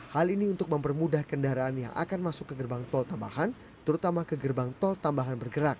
hal ini untuk mempermudah kendaraan yang akan masuk ke gerbang tol tambahan terutama ke gerbang tol tambahan bergerak